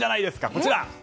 こちら。